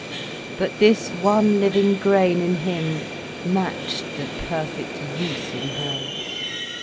But this one living grain in him matched the perfect youth in her.